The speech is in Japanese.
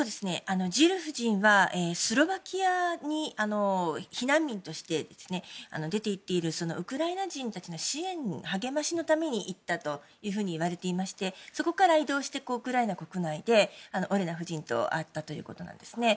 ジル夫人はスロバキアに避難民として出て行っているウクライナ人たちの支援励ましのために行ったといわれていましてそこから移動してウクライナ国内でオレナ夫人と会ったということなんですね。